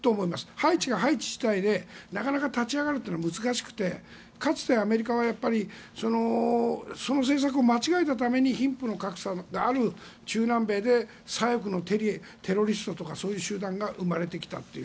ハイチがハイチ次第で、なかなか立ち上がるというのは難しくてかつて、アメリカはその政策を間違えたために貧富の格差がある中南米で左翼のテロリストとかそういう集団が生まれてきたという。